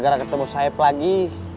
gara gara ketemu sahab lagi